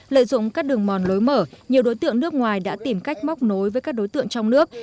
lợi dụng các đường mòn lối mở nhiều đối tượng nước ngoài đã tìm cách móc nối với các đối tượng trong nước